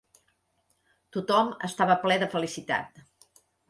Tothom estava ple de felicitat.